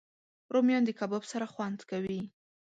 رومیان د کباب سره خوند کوي